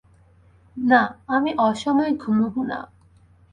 না, আমি অসময়ে ঘুমুব না।